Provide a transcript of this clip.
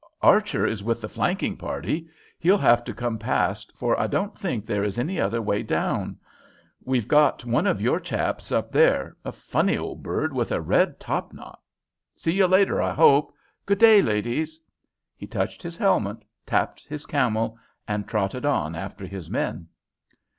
"Archer is with the flanking party. He'll have to come past, for I don't think there is any other way down. We've got one of your chaps up there a funny old bird with a red topknot. See you later, I hope! Good day, ladies!" He touched his helmet, tapped his camel, and trotted on after his men.